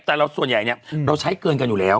แต่เราส่วนใหญ่เนี่ยเราใช้เกินกันอยู่แล้ว